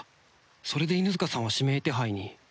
それで犬塚さんは指名手配に